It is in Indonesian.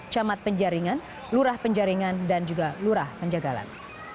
camat penjaringan lurah penjaringan dan juga lurah penjagalan